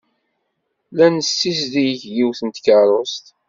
La nessizdig yiwet n tkeṛṛust.